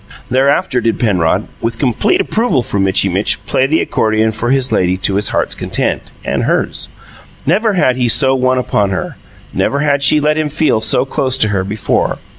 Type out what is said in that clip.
Thereafter did Penrod with complete approval from Mitchy Mitch play the accordion for his lady to his heart's content, and hers. Never had he so won upon her; never had she let him feel so close to her before.